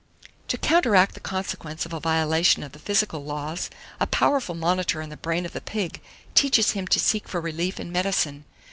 773. TO COUNTERACT THE CONSEQUENCE OF A VIOLATION OF THE PHYSICAL LAWS, a powerful monitor in the brain of the pig teaches him to seek for relief and medicine.